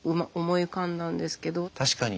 確かに。